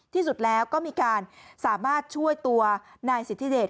ที่สุดแล้วก็มีการสามารถช่วยตัวนายสิทธิเดช